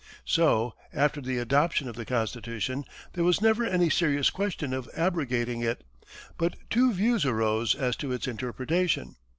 So, after the adoption of the Constitution, there was never any serious question of abrogating it, but two views arose as to its interpretation.